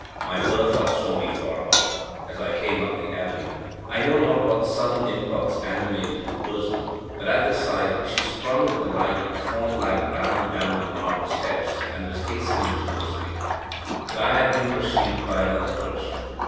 My Bertha saw me afar off, as I came up the avenue. I know not what sudden impulse animated her bosom, but at the sight, she sprung with a light fawn like bound down the marble steps, and was hastening towards me. But I had been perceived by another person.